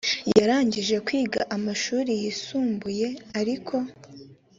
yarangije kwiga amashuri yisumbuye ariko